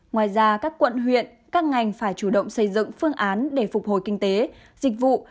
ngoài ra các quận huyện các ngành phải chủ động xây dựng phương án để phục hồi kinh tế dịch vụ